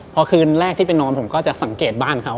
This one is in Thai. พอคืนแรกที่ไปนอนผมก็จะสังเกตบ้านเขา